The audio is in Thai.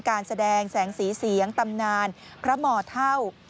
การแสดงแสงสีเสียงตำนานพระหมอเท่า